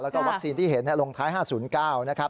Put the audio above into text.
แล้วก็วัคซีนที่เห็นลงท้าย๕๐๙นะครับ